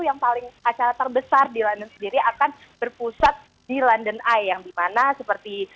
yang paling acara terbesar di london sendiri akan berpusat di london eye yang dimana seperti